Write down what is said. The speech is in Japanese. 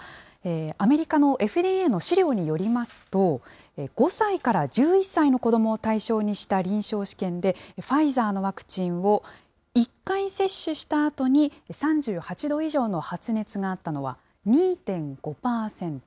アメリカのＦＤＡの資料によりますと、５歳から１１歳の子どもを対象にした臨床試験で、ファイザーのワクチンを１回接種したあとに３８度以上の発熱があったのは２．５％。